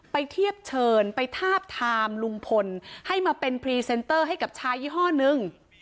เทียบเชิญไปทาบทามลุงพลให้มาเป็นพรีเซนเตอร์ให้กับชายยี่ห้อนึง